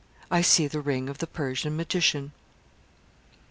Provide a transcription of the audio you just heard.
I SEE THE RING OF THE PERSIAN MAGICIAN.